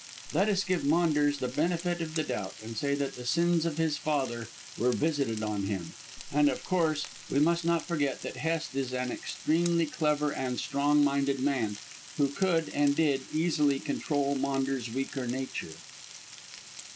"Let us give Maunders the benefit of the doubt, and say that the sins of his father were visited on him. And, of course, we must not forget that Hest is an extremely clever and strong minded man, who could, and did, easily control Maunders' weaker nature."